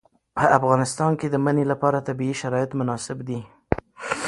په افغانستان کې د منی لپاره طبیعي شرایط مناسب دي.